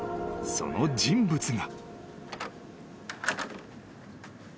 ［その人物が］